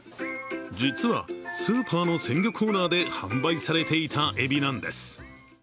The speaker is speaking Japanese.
実は、スーパーの鮮魚コーナーで販売されていたエビなんです。